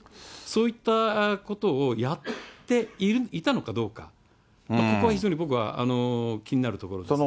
そういったことをやっていたのかどうか、ここは非常に僕は気になるところです。